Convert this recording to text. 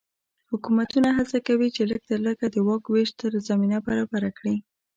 حکومتونه هڅه کوي چې لږ تر لږه د واک وېش ته زمینه برابره کړي.